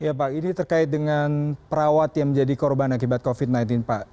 ya pak ini terkait dengan perawat yang menjadi korban akibat covid sembilan belas pak